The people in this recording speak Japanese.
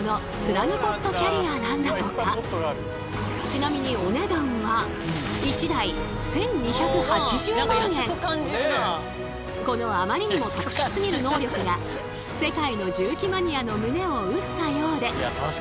ちなみにお値段は１台このあまりにも特殊すぎる能力が世界の重機マニアの胸を打ったようで。